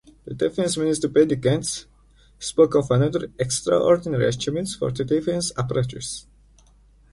Defence Minister Benny Gantz spoke of "another extraordinary achievement for the defence apparatus".